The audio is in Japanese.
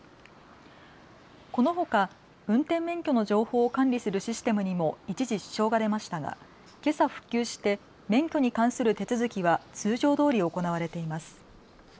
このほか運転免許の情報を管理するシステムにも一時支障が出ましたがけさ復旧して免許に関する手続きは通常どおり行われています。